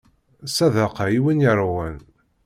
Ssadaqa i win yeṛwan.